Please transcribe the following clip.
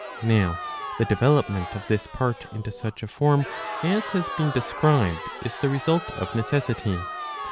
^ Now the development of this part into such a form as has been described is the result of necessity.